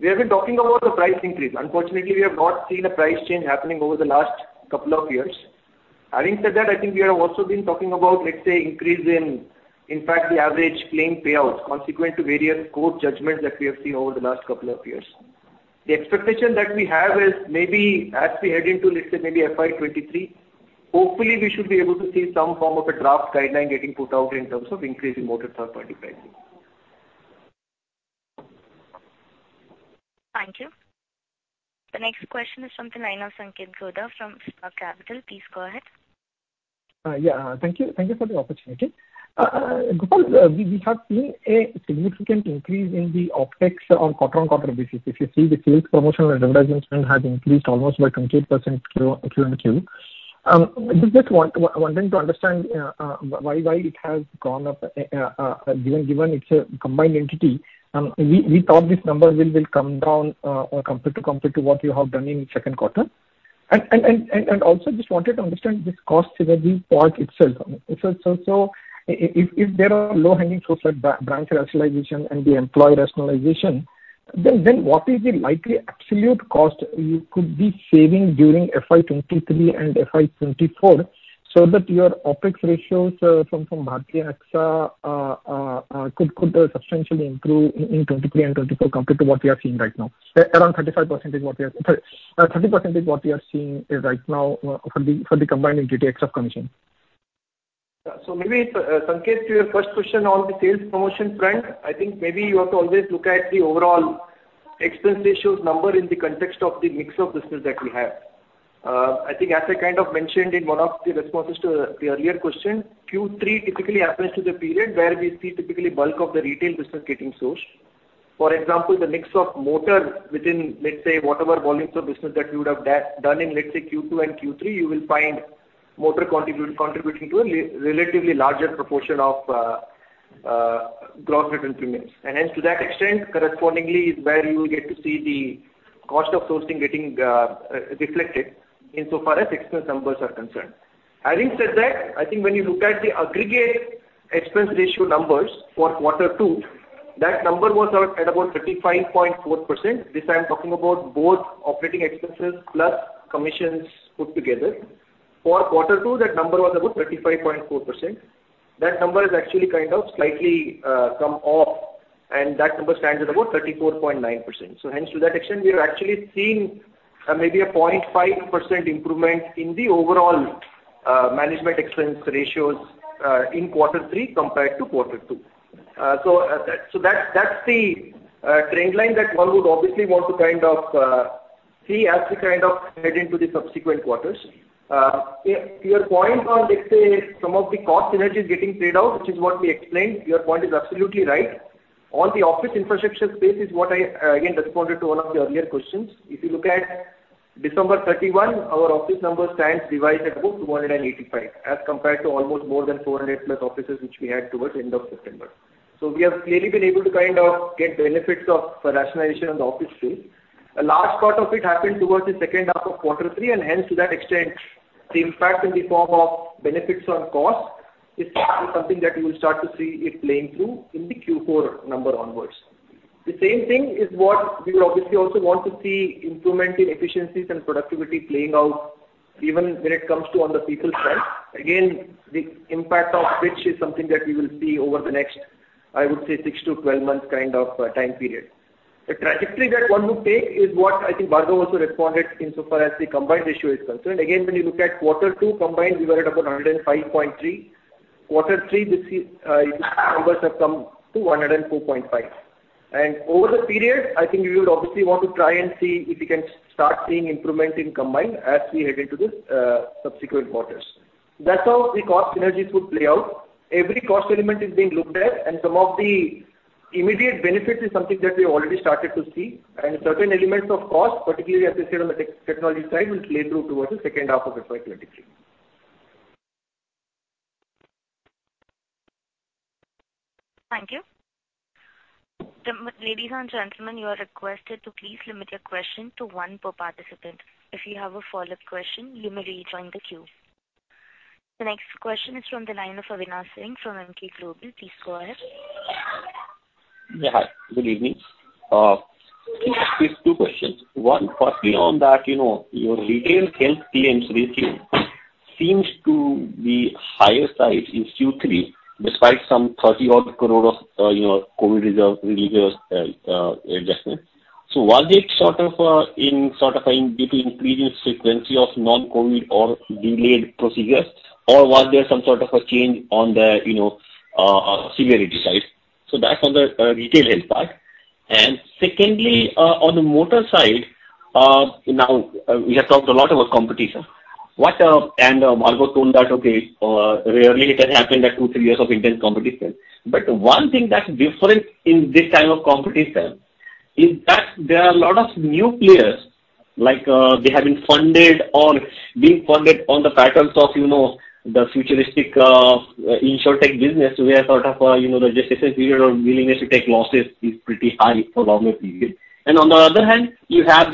S3: we have been talking about the price increase. Unfortunately, we have not seen a price change happening over the last couple of years. Having said that, I think we have also been talking about, let's say, increase in fact the average claim payouts consequent to various court judgments that we have seen over the last couple of years. The expectation that we have is maybe as we head into, let's say maybe FY 2023, hopefully we should be able to see some form of a draft guideline getting put out in terms of increasing motor third party pricing.
S1: Thank you. The next question is from the line of Sanketh Godha from Spark Capital. Please go ahead.
S10: Yeah. Thank you. Thank you for the opportunity. Gopal, we have seen a significant increase in the OpEx on a quarter-on-quarter basis. If you see, the sales, promotional, and advertising spend has increased almost by 28% QoQ. Just want to understand why it has gone up, given it's a combined entity. We thought this number will come down compared to what you have done in second quarter. Also just wanted to understand this cost synergy part itself. If there are low hanging fruit like branch rationalization and the employee rationalization, then what is the likely absolute cost you could be saving during FY 2023 and FY 2024 so that your OpEx ratios from Bharti AXA could substantially improve in 2023 and 2024 compared to what we are seeing right now. Sorry, 30% is what we are seeing right now for the combined entity Bharti AXA commission.
S3: Yeah. Maybe, Sanketh, to your first question on the sales promotion front, I think maybe you have to always look at the overall expense ratios number in the context of the mix of business that we have. I think as I kind of mentioned in one of the responses to the earlier question, Q3 typically happens to be the period where we see typically bulk of the retail business getting sourced. For example, the mix of motor within, let's say, whatever volumes of business that you would have done in, let's say Q2 and Q3, you will find motor contributing to a relatively larger proportion of gross written premiums. Hence to that extent, correspondingly is where you will get to see the cost of sourcing getting reflected in so far as expense numbers are concerned. Having said that, I think when you look at the aggregate expense ratio numbers for quarter two, that number was at about 35.4%. This I am talking about both operating expenses plus commissions put together. For quarter two, that number was about 35.4%. That number is actually kind of slightly come off, and that number stands at about 34.9%. Hence, to that extent, we have actually seen maybe a 0.5% improvement in the overall management expense ratios in quarter three compared to quarter two. That's the trend line that one would obviously want to kind of see as we kind of head into the subsequent quarters. Your point on, let's say some of the cost synergies getting played out, which is what we explained, your point is absolutely right. On the office infrastructure space is what I, again, responded to one of the earlier questions. If you look at December 31, our office number stands revised at about 285, as compared to almost more than 400+ offices which we had towards the end of September. We have clearly been able to kind of get benefits of rationalization on the office space. A large part of it happened towards the second half of Q3, and hence to that extent, the impact in the form of benefits on cost is something that you will start to see it playing through in the Q4 number onwards. The same thing is what we would obviously also want to see improvement in efficiencies and productivity playing out even when it comes to on the people side. Again, the impact of which is something that we will see over the next, I would say six-12 months kind of time period. The trajectory that one would take is what I think Bhargav also responded in so far as the combined ratio is concerned. Again, when you look at quarter two combined, we were at about 105.3. Quarter three, we see these numbers have come to 104.5. Over the period, I would obviously want to try and see if we can start seeing improvement in combined as we head into the subsequent quarters. That's how the cost synergies would play out. Every cost element is being looked at and some of the immediate benefits is something that we already started to see. Certain elements of cost, particularly as I said on the tech side, will play through towards the second half of the FY 2023.
S1: Thank you. Ladies and gentlemen, you are requested to please limit your question to one per participant. If you have a follow-up question, you may rejoin the queue. The next question is from the line of Avinash Singh from Emkay Global. Please go ahead.
S11: Yeah, hi, good evening. Just two questions. One, firstly, on that, you know, your retail health claims ratio seems to be on the higher side in Q3, despite some 30-odd crore of, you know, COVID reserve releases, adjustment. So was it sort of due to increase in frequency of non-COVID or delayed procedures? Or was there some sort of a change on the, you know, severity side? So that's on the retail health part. Secondly, on the motor side, now we have talked a lot about competition. Bhargav told that, okay, rarely it has happened that two-three years of intense competition. One thing that's different in this time of competition is that there are a lot of new players like, they have been funded or being funded on the patterns of, you know, the futuristic, InsurTech business, where sort of, you know, the willingness to take losses is pretty high for longer period. On the other hand, you have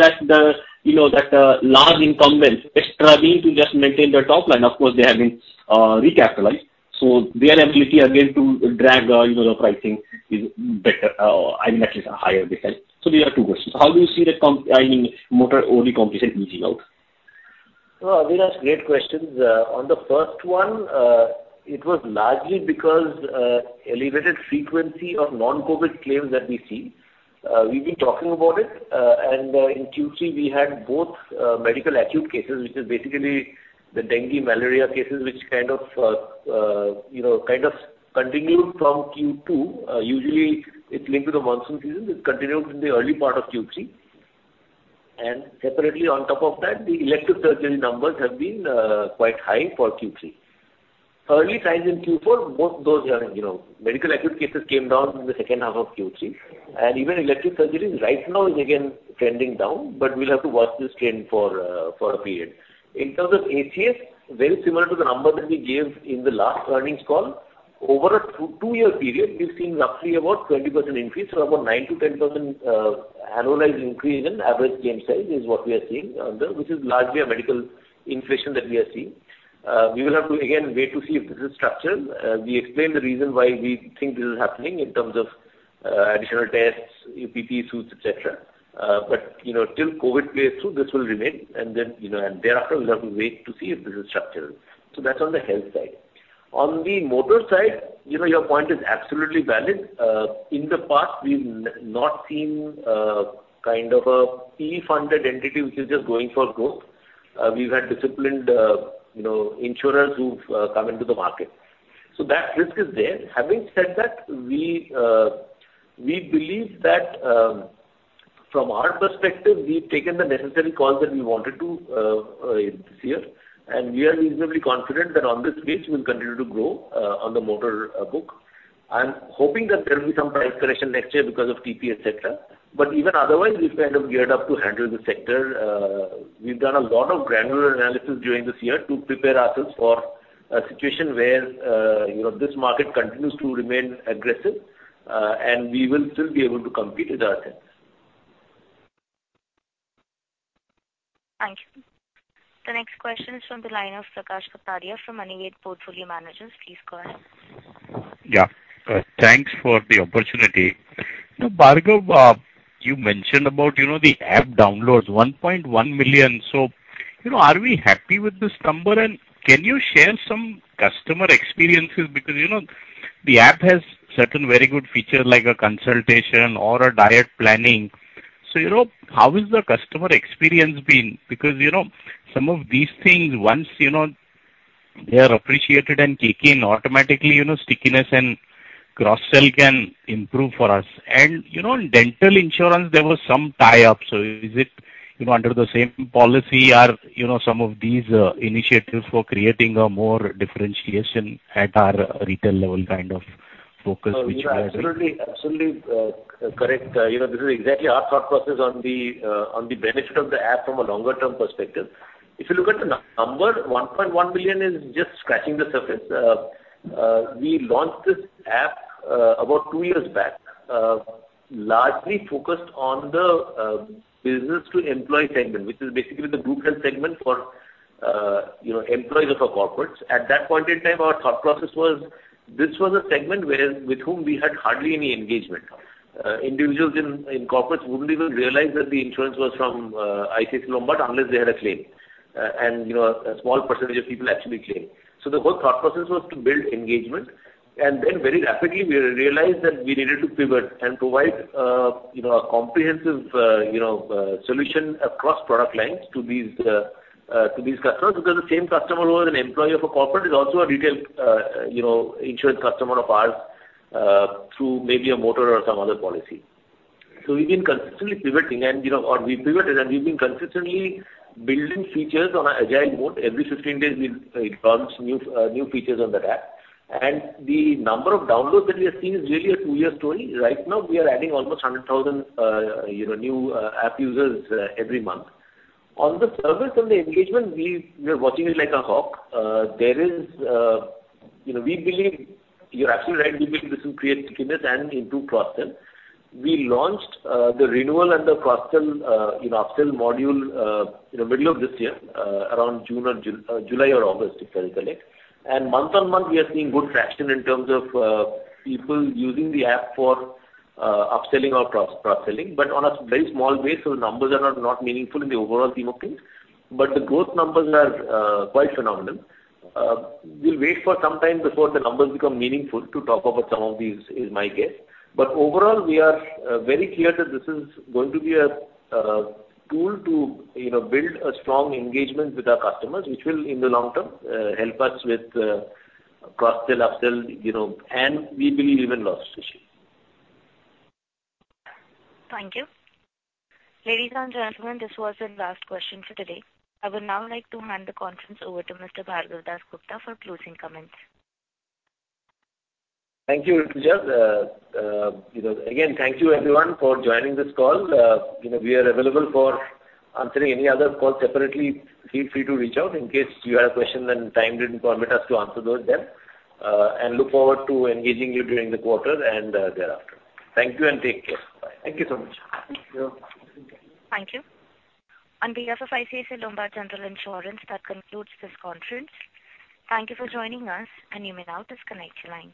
S11: large incumbents struggling to just maintain their top line. Of course, they have been recapitalized, so their ability again to drag, you know, the pricing is better, I mean, at least higher this time. These are two questions. How do you see the—I mean, motor only competition reaching out?
S2: No, Avinash, great questions. On the first one, it was largely because of elevated frequency of non-COVID claims that we see. We've been talking about it. In Q3, we had both medical acute cases, which is basically the dengue, malaria cases, which kind of, you know, kind of continued from Q2. Usually it's linked to the monsoon season. It continued in the early part of Q3. Separately, on top of that, the elective surgery numbers have been quite high for Q3. Early signs in Q4, both those are, you know, medical acute cases came down in the second half of Q3 and even elective surgeries right now is again trending down, but we'll have to watch this trend for a period. In terms of ACS, very similar to the number that we gave in the last earnings call. Over a two-year period, we've seen roughly about 20% increase, so about 9%-10% annualized increase in average claim size is what we are seeing on the, which is largely a medical inflation that we are seeing. We will have to again wait to see if this is structural. We explained the reason why we think this is happening in terms of additional tests, PPE suits, et cetera. You know, till COVID plays through, this will remain and then, you know, and thereafter we'll have to wait to see if this is structural. That's on the health side. On the motor side, you know, your point is absolutely valid. In the past we've not seen kind of a pre-funded entity which is just going for growth. We've had disciplined, you know, insurers who've come into the market. That risk is there. Having said that, we believe that, from our perspective, we've taken the necessary calls that we wanted to this year, and we are reasonably confident that on this base we'll continue to grow on the motor book. I'm hoping that there will be some price correction next year because of TP, et cetera. Even otherwise we've kind of geared up to handle the sector. We've done a lot of granular analysis during this year to prepare ourselves for a situation where, you know, this market continues to remain aggressive, and we will still be able to compete with our terms.
S1: Thank you. The next question is from the line of Prakash Kapadia from Anived Portfolio Managers. Please go ahead.
S12: Yeah. Thanks for the opportunity. Now, Bhargav, you mentioned about, you know, the app downloads, 1.1 million. You know, are we happy with this number? Can you share some customer experiences? Because, you know, the app has certain very good features like a consultation or a diet planning. You know, how has the customer experience been? Because, you know, some of these things once, you know, they are appreciated and kick in automatically, you know, stickiness and cross-sell can improve for us. You know, in dental insurance there were some tie ups. Is it, you know, under the same policy or, you know, some of these initiatives for creating a more differentiation at our retail level kind of focus which you have-
S2: No, you're absolutely correct. You know, this is exactly our thought process on the benefit of the app from a longer-term perspective. If you look at the number, 1.1 million is just scratching the surface. We launched this app about two years back, largely focused on the business to employee segment, which is basically the group health segment for employees of corporates. At that point in time, our thought process was this was a segment where, with whom we had hardly any engagement. Individuals in corporates wouldn't even realize that the insurance was from ICICI Lombard unless they had a claim. You know, a small percentage of people actually claim. The whole thought process was to build engagement. Very rapidly we realized that we needed to pivot and provide, you know, a comprehensive, you know, solution across product lines to these customers because the same customer who was an employee of a corporate is also a retail, you know, insurance customer of ours through maybe a motor or some other policy. We've been consistently pivoting and, you know, or we pivoted and we've been consistently building features on an agile mode. Every 16 days we launch new features on that app. The number of downloads that we are seeing is really a two-year story. Right now, we are adding almost 100,000 new app users every month. On the service and the engagement, we are watching it like a hawk. There is, you know, we believe you're absolutely right. We believe this will create stickiness and improve cross-sell. We launched the renewal and the cross-sell, you know, upsell module in the middle of this year, around June or July or August, if I recollect. Month-on-month, we are seeing good traction in terms of people using the app for upselling or cross-selling, but on a very small base, so the numbers are not meaningful in the overall scheme of things. The growth numbers are quite phenomenal. We'll wait for some time before the numbers become meaningful to talk about some of these is my guess. Overall, we are very clear that this is going to be a tool to, you know, build a strong engagement with our customers, which will in the long-term help us with cross-sell, upsell, you know, and we believe even loss ratio.
S1: Thank you. Ladies and gentlemen, this was the last question for today. I would now like to hand the conference over to Mr. Bhargav Dasgupta for closing comments.
S2: Thank you, Rutuja. You know, again, thank you everyone for joining this call. You know, we are available for answering any other call separately. Feel free to reach out in case you had a question and time didn't permit us to answer those then. Look forward to engaging you during the quarter and thereafter. Thank you and take care. Bye.
S3: Thank you so much.
S1: Thank you. On behalf of ICICI Lombard General Insurance, that concludes this conference. Thank you for joining us and you may now disconnect your lines.